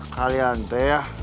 kalian teh ya